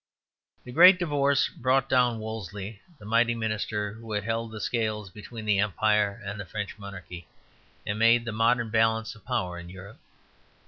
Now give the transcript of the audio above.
The great divorce brought down Wolsey, the mighty minister who had held the scales between the Empire and the French Monarchy, and made the modern balance of power in Europe.